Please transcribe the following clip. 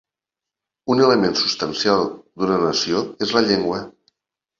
Un element substancial d'una nació és la llengua.